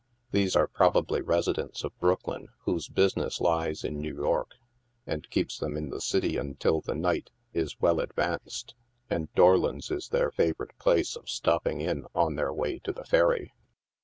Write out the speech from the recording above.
These are probably residents of Brooklyn, whose business lies in New York, and keeps them in the city until the night is well advanced, and Dorlon's is their favorite place of stopping in on their way to the ferry.